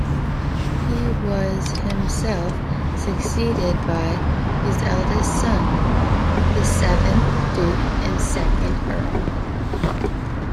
He was himself succeeded by his eldest son, the seventh Duke and second Earl.